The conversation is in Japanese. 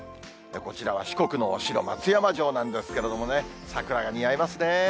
こちらは四国のお城、松山城なんですけれども、桜が似合いますね。